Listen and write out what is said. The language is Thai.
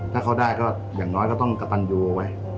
ถ้าเขาได้ก็อย่างน้อยก็ต้องกระตันยูเอาไว้